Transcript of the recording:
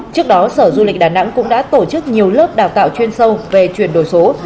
trước đó sở du lịch đà nẵng cũng đã tổ chức nhiều lớp đào tạo chuyên sâu về chuyển đổi số